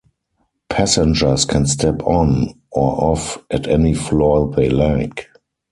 Passengers can step on or off at any floor they like.